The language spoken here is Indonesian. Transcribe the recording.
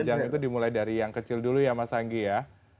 tiga jam itu dimulai dari yang kecil dulu ya mas anggi ya